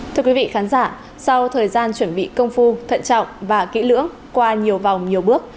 thưa quý vị khán giả sau thời gian chuẩn bị công phu thận trọng và kỹ lưỡng qua nhiều vòng nhiều bước